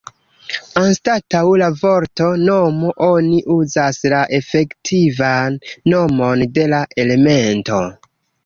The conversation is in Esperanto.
Anstataŭ la vorto "nomo" oni uzas la efektivan nomon de la elemento.